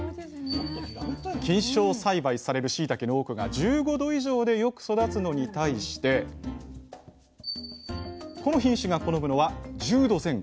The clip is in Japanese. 菌床栽培されるしいたけの多くが１５℃以上でよく育つのに対してこの品種が好むのは１０℃前後。